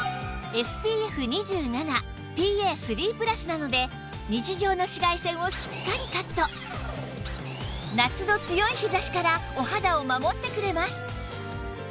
なので日常の紫外線をしっかりカット夏の強い日差しからお肌を守ってくれます